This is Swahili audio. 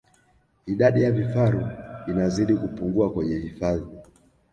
Idadi ya vifaru inazidi kupungua kwenye hifadhi